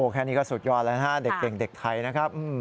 แค่นี้ก็สุดยอดแล้วนะฮะเด็กเก่งเด็กไทยนะครับ